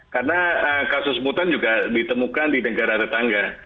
karena kasus mutan juga ditemukan di negara tetangga